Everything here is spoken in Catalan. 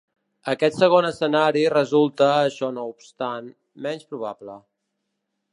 Aquest segon escenari resulta, això no obstant, menys probable.